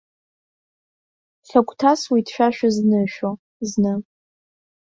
Сагәҭасуеит шәа шәызнышәо, зны.